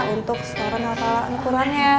untuk suara menghafal alquran ya